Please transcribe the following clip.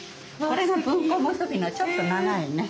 これが文庫結びのちょっと長いね。